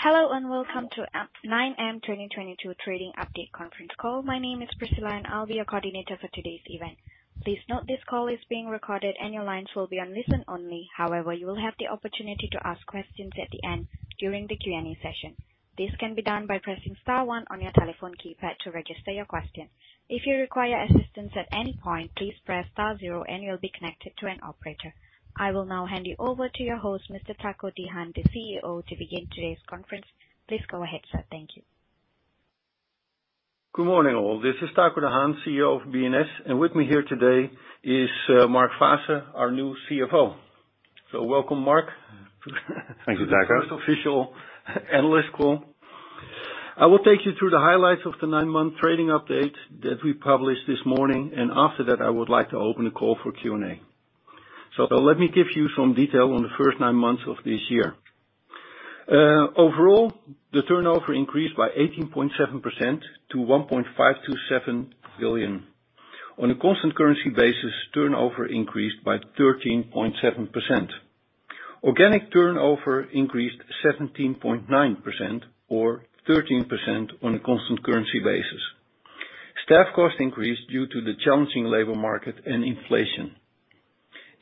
Hello, and welcome to 9M 2022 trading update conference call. My name is Priscilla, and I'll be your coordinator for today's event. Please note this call is being recorded, and your lines will be on listen-only. However, you will have the opportunity to ask questions at the end during the Q&A session. This can be done by pressing star one on your telephone keypad to register your question. If you require assistance at any point, please press star zero and you'll be connected to an operator. I will now hand you over to your host, Mr. Tako de Haan, the CEO, to begin today's conference. Please go ahead, sir. Thank you. Good morning, all. This is Tako de Haan, CEO of B&S, and with me here today is Mark Faasse, our new CFO. Welcome, Mark. Thank you, Tako. To your first official analyst call. I will take you through the highlights of the nine-month trading update that we published this morning, and after that, I would like to open the call for Q&A. Let me give you some detail on the first nine months of this year. Overall, the turnover increased by 18.7% to 1.527 billion. On a constant currency basis, turnover increased by 13.7%. Organic turnover increased 17.9% or 13% on a constant currency basis. Staff costs increased due to the challenging labor market and inflation.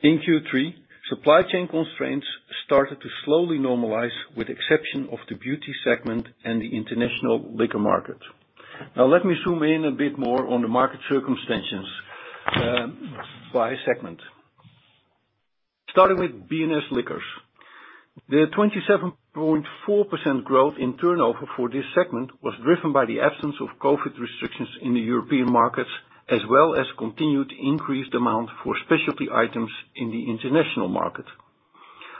In Q3, supply chain constraints started to slowly normalize with exception of the beauty segment and the international liquor market. Now let me zoom in a bit more on the market circumstances by segment. Starting with B&S Liquors. The 27.4% growth in turnover for this segment was driven by the absence of COVID restrictions in the European markets, as well as continued increased amount for specialty items in the international market.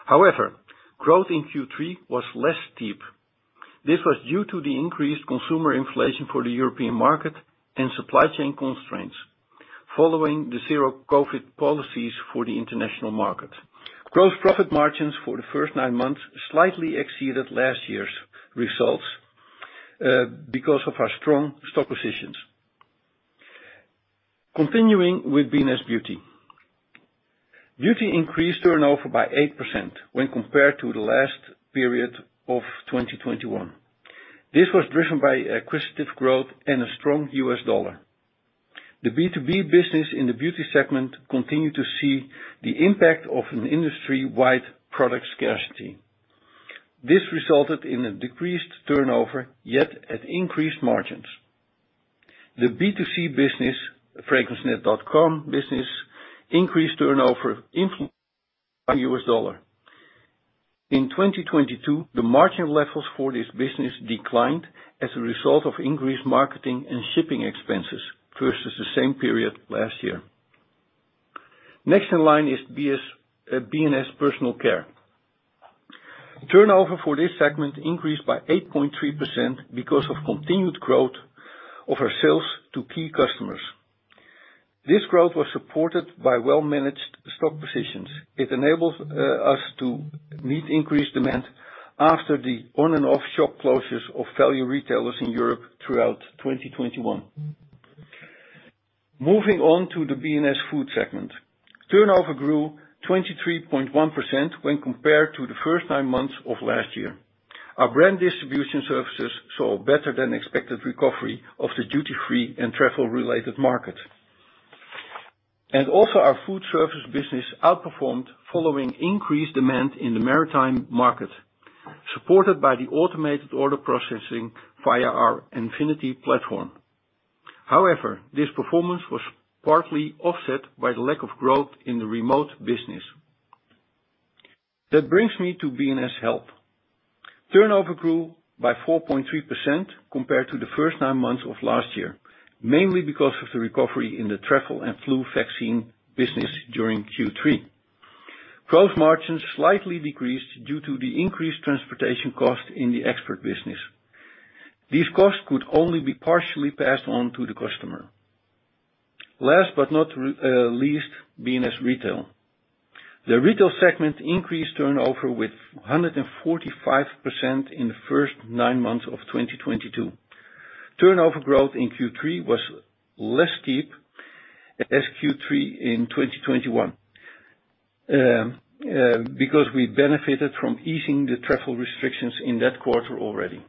However, growth in Q3 was less steep. This was due to the increased consumer inflation for the European market and supply chain constraints following the zero-COVID policies for the international market. Gross profit margins for the first nine months slightly exceeded last year's results, because of our strong stock positions. Continuing with B&S Beauty. Beauty increased turnover by 8% when compared to the last period of 2021. This was driven by acquisitive growth and a strong US dollar. The B2B business in the beauty segment continued to see the impact of an industry-wide product scarcity. This resulted in a decreased turnover, yet at increased margins. The B2C business, FragranceNet.com business, increased turnover influenced by the US dollar. In 2022, the margin levels for this business declined as a result of increased marketing and shipping expenses versus the same period last year. Next in line is B&S Personal Care. Turnover for this segment increased by 8.3% because of continued growth of our sales to key customers. This growth was supported by well-managed stock positions. It enables us to meet increased demand after the on and off shop closures of value retailers in Europe throughout 2021. Moving on to the B&S Food segment. Turnover grew 23.1% when compared to the first nine months of last year. Our brand distribution services saw a better than expected recovery of the duty-free and travel-related market. Our food service business outperformed following increased demand in the maritime market, supported by the automated order processing via our Nfinity platform. However, this performance was partly offset by the lack of growth in the remote business. That brings me to B&S Health. Turnover grew by 4.3% compared to the first nine months of last year, mainly because of the recovery in the travel and flu vaccine business during Q3. Gross margins slightly decreased due to the increased transportation cost in the export business. These costs could only be partially passed on to the customer. Last but not least, B&S Retail. The retail segment increased turnover with 145% in the first nine months of 2022. Turnover growth in Q3 was less steep as Q3 in 2021 because we benefited from easing the travel restrictions in that quarter already.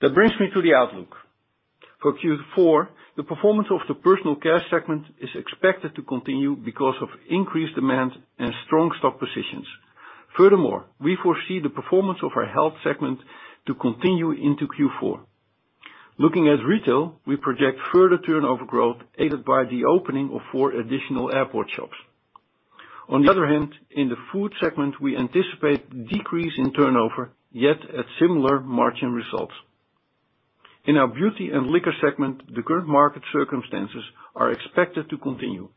That brings me to the outlook. For Q4, the performance of the personal care segment is expected to continue because of increased demand and strong stock positions. Furthermore, we foresee the performance of our health segment to continue into Q4. Looking at retail, we project further turnover growth aided by the opening of four additional airport shops. On the other hand, in the food segment, we anticipate decrease in turnover, yet at similar margin results. In our beauty and liquor segment, the current market circumstances are expected to continue.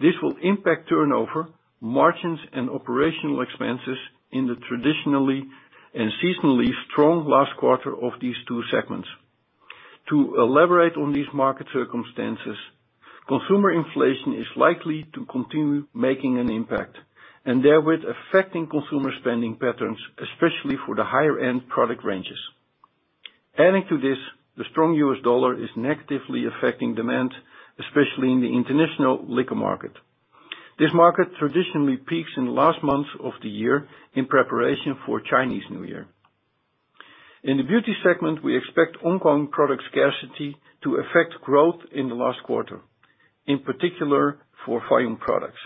This will impact turnover, margins, and operational expenses in the traditionally and seasonally strong last quarter of these two segments. To elaborate on these market circumstances, consumer inflation is likely to continue making an impact and therewith affecting consumer spending patterns, especially for the higher-end product ranges. Adding to this, the strong US dollar is negatively affecting demand, especially in the international liquor market. This market traditionally peaks in the last months of the year in preparation for Chinese New Year. In the beauty segment, we expect ongoing product scarcity to affect growth in the last quarter, in particular for LVMH products.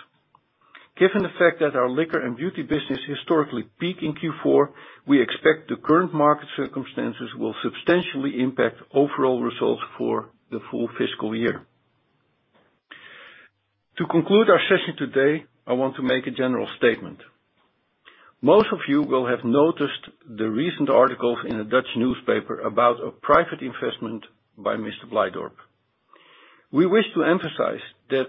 Given the fact that our liquor and beauty business historically peak in Q4, we expect the current market circumstances will substantially impact overall results for the full fiscal year. To conclude our session today, I want to make a general statement. Most of you will have noticed the recent articles in a Dutch newspaper about a private investment by Mr. Blijdorp. We wish to emphasize that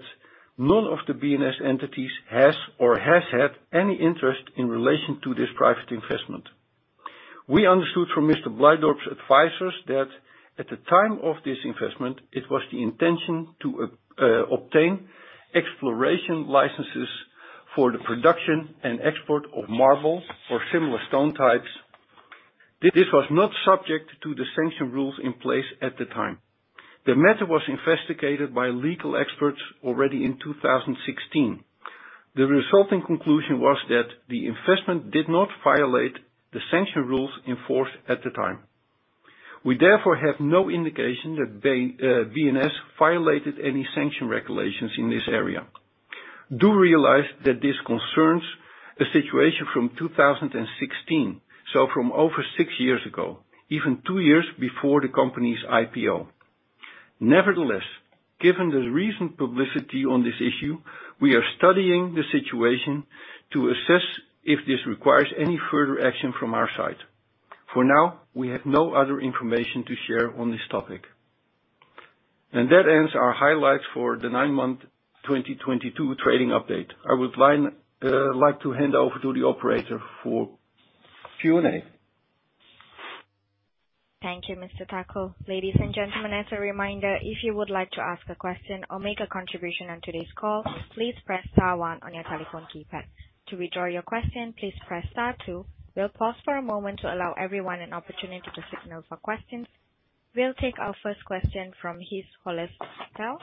none of the B&S entities has or has had any interest in relation to this private investment. We understood from Mr. Blijdorp's advisors that at the time of this investment, it was the intention to obtain exploration licenses for the production and export of marble or similar stone types. This was not subject to the sanction rules in place at the time. The matter was investigated by legal experts already in 2016. The resulting conclusion was that the investment did not violate the sanction rules enforced at the time. We therefore have no indication that B&S violated any sanction regulations in this area. Realize that this concerns a situation from 2016, so from over six years ago, even two years before the company's IPO. Nevertheless, given the recent publicity on this issue, we are studying the situation to assess if this requires any further action from our side. For now, we have no other information to share on this topic. That ends our highlights for the nine-month 2022 trading update. I would like to hand over to the operator for Q&A. Thank you, Mr. Tako de Haan. Ladies and gentlemen, as a reminder, if you would like to ask a question or make a contribution on today's call, please press star one on your telephone keypad. To withdraw your question, please press star two. We'll pause for a moment to allow everyone an opportunity to signal for questions. We'll take our first question from Tijs Hollestelle.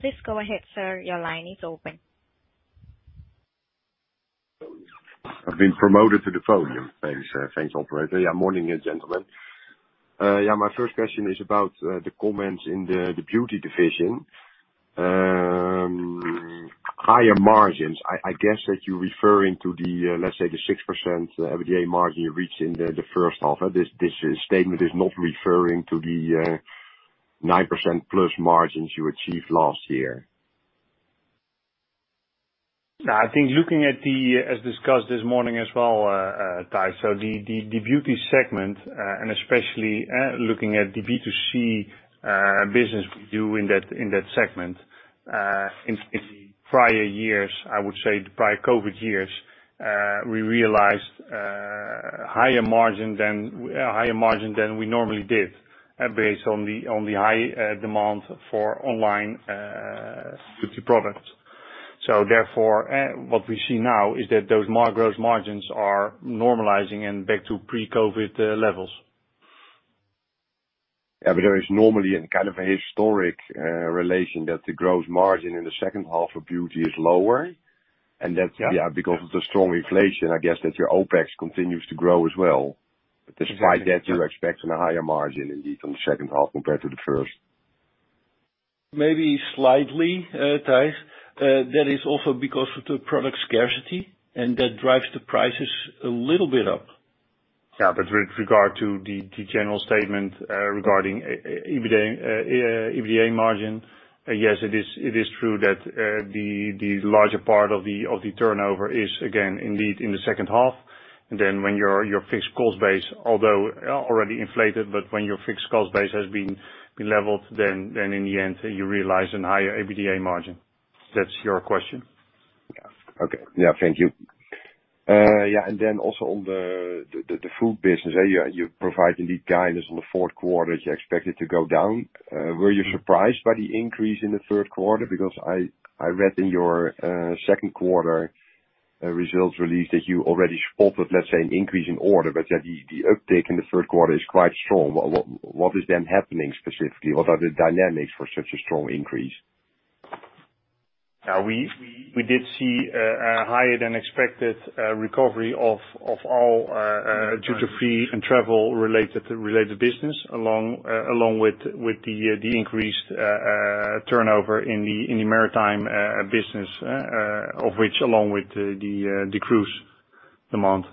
Please go ahead, sir. Your line is open. I've been promoted to the podium. Thanks, operator. Yeah, morning, gentlemen. Yeah, my first question is about the comments in the beauty division. Higher margins. I guess that you're referring to the, let's say the 6% EBITDA margin you reached in the H1. This statement is not referring to the +9% margins you achieved last year. No, I think as discussed this morning as well, Tijs. The beauty segment and especially looking at the B2C business we do in that segment. In the prior years, I would say the prior COVID years, we realized higher margin than we normally did based on the high demand for online beauty products. Therefore, what we see now is that those gross margins are normalizing and back to pre-COVID levels. Yeah, there is normally a kind of a historic relation that the gross margin in the second half of beauty is lower. Yeah. That's, yeah, because of the strong inflation, I guess that your OpEx continues to grow as well. Despite that, you're expecting a higher margin indeed on the second half compared to the first. Maybe slightly, Tijs. That is also because of the product scarcity, and that drives the prices a little bit up. Yeah, but with regard to the general statement regarding EBITDA margin, yes it is true that the larger part of the turnover is again indeed in the H2. Then when your fixed cost base, although already inflated, but when your fixed cost base has been leveled, then in the end you realize a higher EBITDA margin. That's your question? Yeah. Okay. Yeah. Thank you. Yeah, and then also on the food business, you're providing the guidance on the fourth quarter as you expect it to go down. Were you surprised by the increase in the Q3? Because I read in your Q2 results release that you already spotted, let's say, an increase in order, but yet the uptick in the Q3 is quite strong. What is then happening specifically? What are the dynamics for such a strong increase? Yeah, we did see a higher than expected recovery of all duty-free and travel-related business along with the increased turnover in the maritime business, of which along with the cruise demand.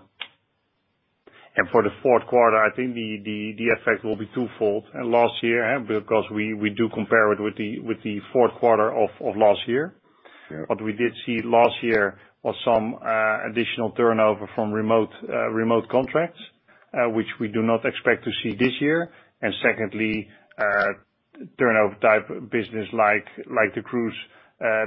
For the Q4, I think the effect will be twofold. Last year, because we do compare it with the Q4 of last year. Sure. What we did see last year was some additional turnover from remote contracts, which we do not expect to see this year. Secondly, turnover type business like the cruise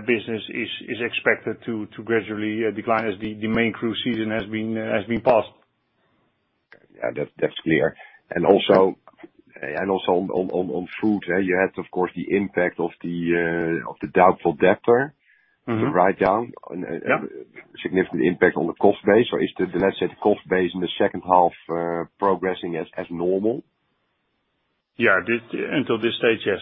business is expected to gradually decline as the main cruise season has been passed. Yeah, that's clear. Also on food, you had of course the impact of the doubtful debtor. Mm-hmm. The write-down. Yeah. Significant impact on the cost base, or is the cost base, let's say, in the H2 progressing as normal? Yeah. Until this stage, yes.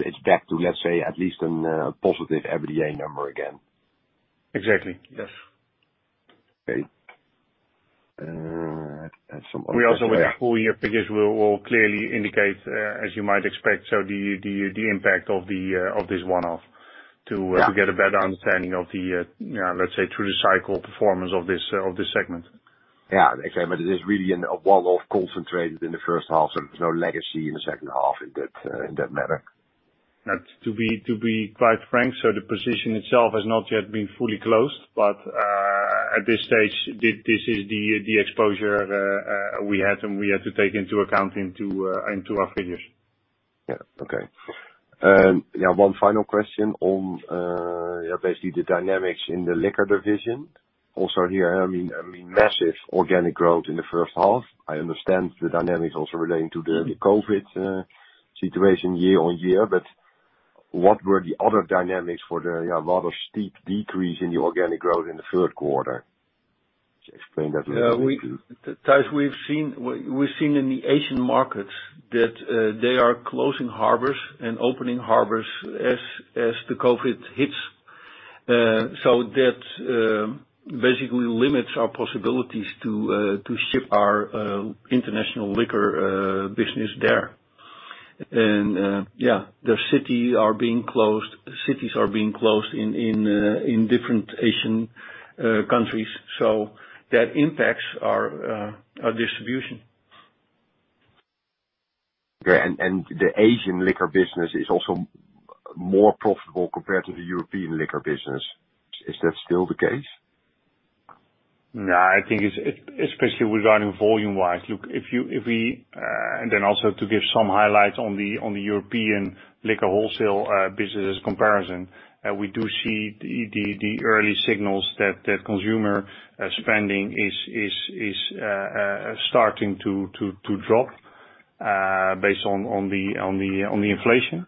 It's back to, let's say, at least an positive EBITDA number again. Exactly, yes. Okay. I have some other. We also, with the full year figures, will clearly indicate, as you might expect, the impact of this one-off to get a better understanding of the, yeah, let's say, through-the-cycle performance of this segment. Yeah. Okay. It is really a one-off concentrated in the H1, so there's no legacy in the H2 in that matter. To be quite frank, the position itself has not yet been fully closed, but at this stage, this is the exposure we had, and we had to take into account into our figures. Yeah. Okay. Now one final question on yeah, basically the dynamics in the liquor division. Also here, I mean, massive organic growth in the first half. I understand the dynamics also relating to the COVID situation year-on-year. What were the other dynamics for the a lot steeper decrease in the organic growth in the Q3? Could you explain that a little bit too? Thijs, we've seen in the Asian markets that they are closing harbors and opening harbors as the COVID hits. That basically limits our possibilities to ship our international liquor business there. Yeah, cities are being closed in different Asian countries. That impacts our distribution. The Asian liquor business is also more profitable compared to the European liquor business. Is that still the case? Yeah, I think it's especially regarding volume-wise. Look, if we and then also to give some highlights on the European liquor wholesale business comparison, we do see the early signals that consumer spending is starting to drop based on the inflation.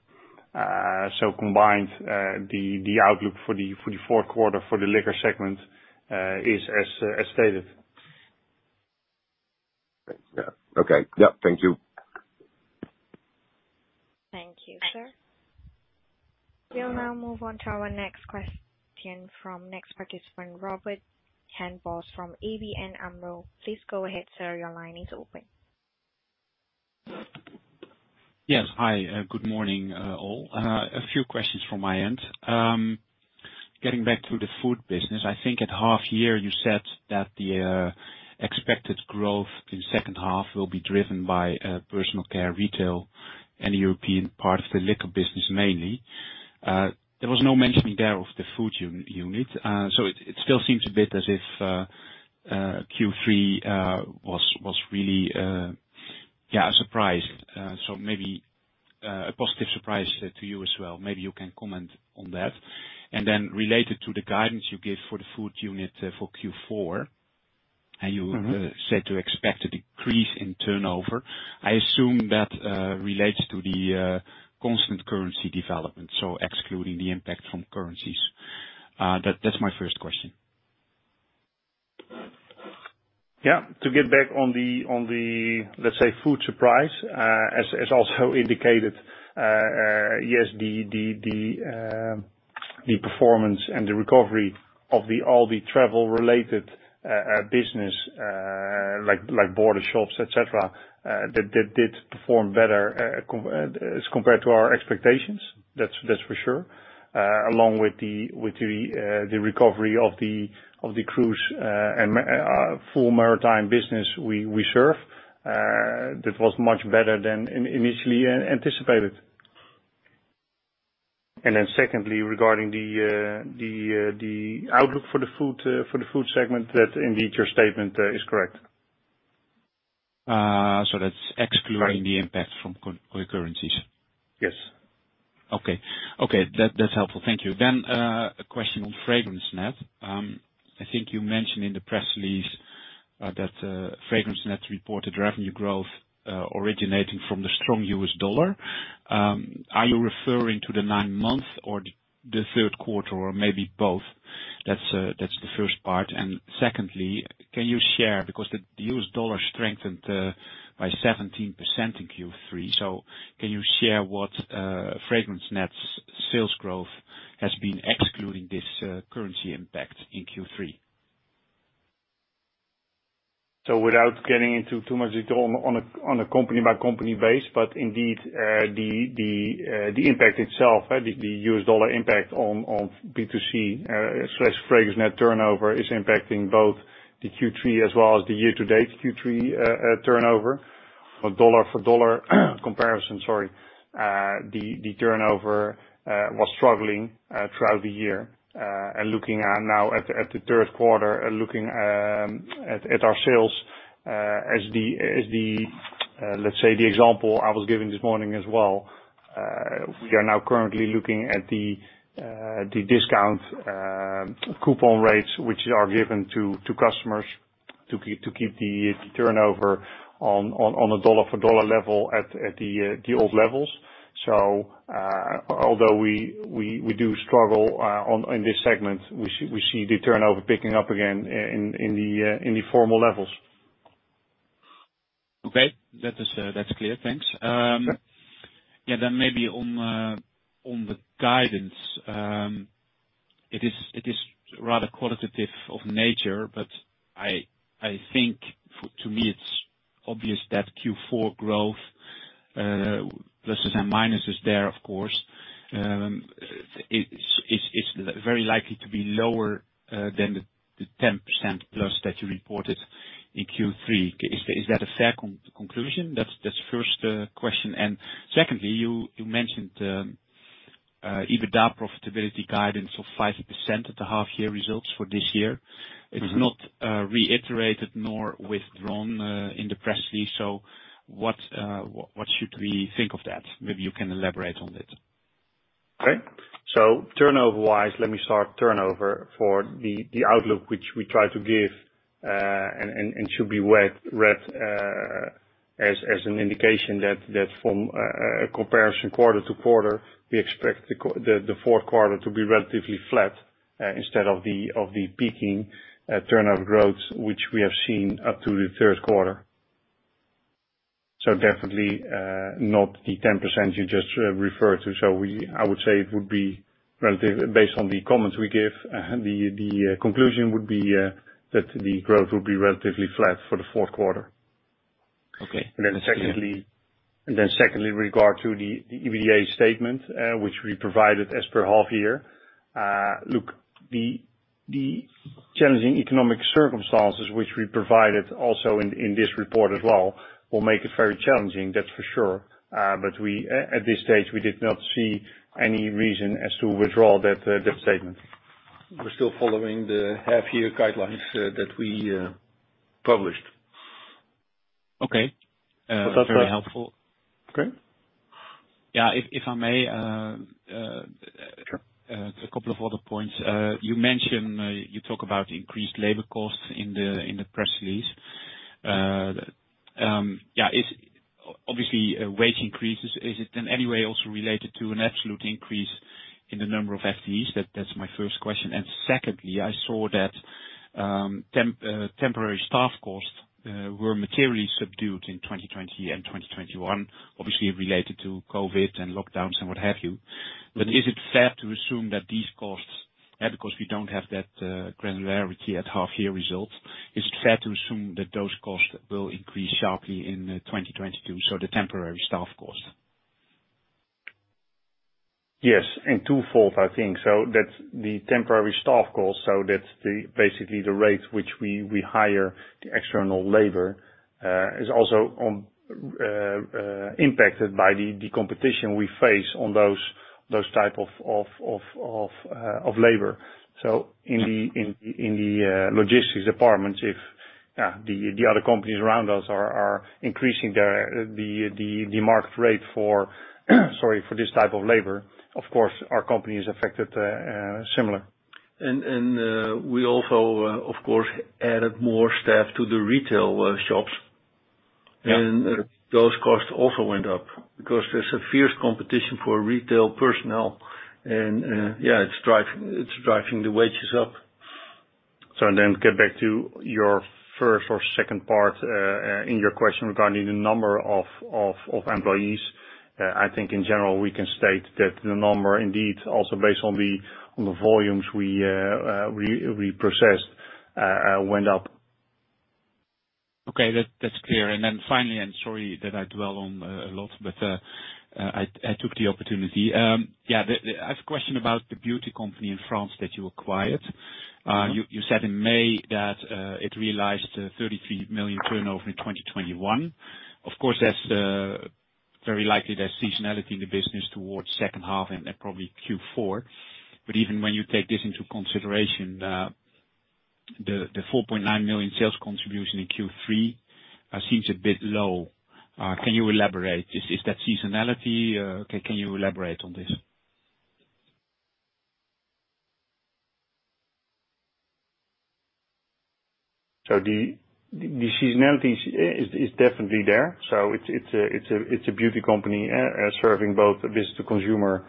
So combined, the outlook for the Q4 for the liquor segment is as stated. Yeah. Okay. Yeah. Thank you. Thank you, sir. We'll now move on to our next question from next participant, Robert Jan Vos from ABN AMRO. Please go ahead, sir. Your line is open. Yes. Hi. Good morning, all. A few questions from my end. Getting back to the food business, I think at half year you said that the expected growth in second half will be driven by personal care retail and European part of the liquor business, mainly. There was no mentioning there of the food unit, so it still seems a bit as if Q3 was really yeah a surprise. So maybe a positive surprise to you as well. Maybe you can comment on that. Related to the guidance you gave for the food unit for Q4, you said to expect a decrease in turnover. I assume that relates to the constant currency development, so excluding the impact from currencies. That's my first question. Yeah. To get back on the, on the, let's say, food segment, as also indicated, yes, the performance and the recovery of all the travel related business, like border shops, et cetera, that did perform better as compared to our expectations. That's for sure. Along with the recovery of the cruise and fuel maritime business we serve, that was much better than initially anticipated. Secondly, regarding the outlook for the food segment. That indeed your statement is correct. That's excluding the impact from currencies? Yes. Okay. That's helpful. Thank you. A question on FragranceNet. I think you mentioned in the press release that FragranceNet reported revenue growth originating from the strong US dollar. Are you referring to the nine months or the Q3? Or maybe both? That's the first part. Secondly, can you share, because the US dollar strengthened by 17% in Q3, so can you share what FragranceNet's sales growth has been excluding this currency impact in Q3? Without getting into too much detail on a company by company basis, but indeed, the impact itself, the US dollar impact on B2C slash FragranceNet turnover is impacting both the Q3 as well as the year-to-date Q3 turnover. For dollar-for-dollar comparison, sorry, the turnover was struggling throughout the year. Looking at the Q3, at our sales, as, let's say, the example I was giving this morning as well, we are now currently looking at the discount coupon rates which are given to customers to keep the turnover on a dollar for dollar level at the old levels. Although we do struggle in this segment, we see the turnover picking up again in the normal levels. Okay. That is, that's clear. Thanks. Yeah. Maybe on the guidance, it is rather qualitative in nature, but I think to me it's obvious that Q4 growth, pluses and minuses there, of course, it's very likely to be lower than the +10% that you reported in Q3. Is that a fair conclusion? That's first question. Secondly, you mentioned EBITDA profitability guidance of 5% at the half-year results for this year. Mm-hmm. It's not reiterated nor withdrawn in the press release, so what should we think of that? Maybe you can elaborate on it. Okay. Turnover-wise, let me start. Turnover for the outlook which we try to give should be read as an indication that from a comparison quarter-to-quarter, we expect the Q4 to be relatively flat instead of the peaking turnover growth which we have seen up to the Q3. Definitely not the 10% you just referred to. I would say it would be relative based on the comments we give, the conclusion would be that the growth would be relatively flat for the Q4. Okay. Regarding the EBITDA statement which we provided as per half year. Look, the challenging economic circumstances which we provided also in this report as well will make it very challenging, that's for sure. We at this stage did not see any reason to withdraw that statement. We're still following the half-year guidelines that we published. Okay. That's that. Very helpful. Okay. Yeah, if I may. Sure. A couple of other points. You mentioned you talk about increased labor costs in the press release. Obviously wage increases, is it in any way also related to an absolute increase in the number of FTEs? That's my first question. Secondly, I saw that temporary staff costs were materially subdued in 2020 and 2021, obviously related to COVID and lockdowns and what have you. Mm-hmm. Is it fair to assume that these costs, because we don't have that granularity at half-year results, is it fair to assume that those costs will increase sharply in 2022, so the temporary staff costs? Yes, in twofold, I think. That's the temporary staff costs. That's basically the rates which we hire the external labor is also impacted by the competition we face on those type of labor. In the logistics departments, if the other companies around us are increasing the market rate for this type of labor, of course our company is affected similar. We also, of course, added more staff to the retail shops. Yeah. Those costs also went up because there's a fierce competition for retail personnel and, yeah, it's driving the wages up. Get back to your first or second part in your question regarding the number of employees. I think in general we can state that the number indeed also based on the volumes we processed went up. Okay. That's clear. Finally, sorry that I dwell on a lot, but I took the opportunity. I have a question about the beauty company in France that you acquired. Mm-hmm. You said in May that it realized 33 million turnover in 2021. Of course, that's very likely there's seasonality in the business towards H2 and then probably Q4. Even when you take this into consideration, the 4.9 million sales contribution in Q3 seems a bit low. Can you elaborate? Is that seasonality? Can you elaborate on this? The seasonality is definitely there. It's a beauty company serving both business to consumer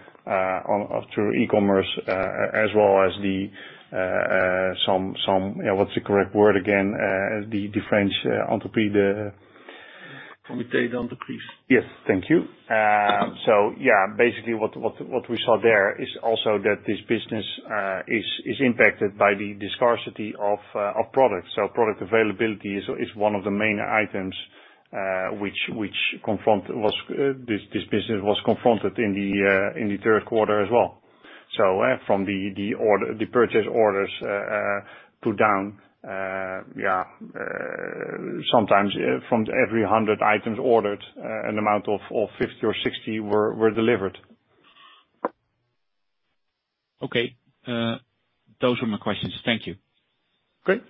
through e-commerce as well as some, what's the correct word again, the French entrepreneur. Comité d'entreprise. Yes. Thank you. Yeah, basically what we saw there is also that this business is impacted by the scarcity of products. Product availability is one of the main items which this business was confronted in the third quarter as well. From the purchase orders put down, sometimes from every 100 items ordered, an amount of 50 or 60 were delivered. Okay. Those were my questions. Thank you. Great.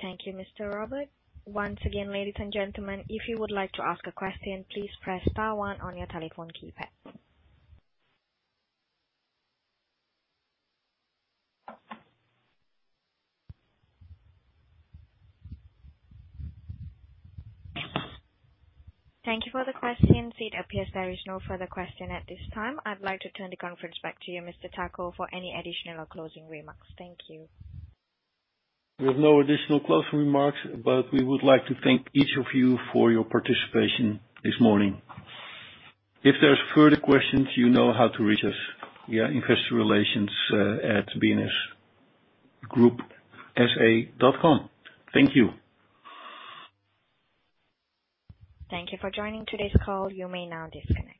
Thank you, Mr. Robert. Once again, ladies and gentlemen, if you would like to ask a question, please press star one on your telephone keypad. Thank you for the questions. It appears there is no further question at this time. I'd like to turn the conference back to you, Mr. Tako, for any additional closing remarks. Thank you. We have no additional closing remarks, but we would like to thank each of you for your participation this morning. If there's further questions, you know how to reach us. Yeah, investorrelations@bns-group.com. Thank you. Thank you for joining today's call. You may now disconnect.